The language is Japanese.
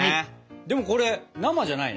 でもこれ生じゃないね。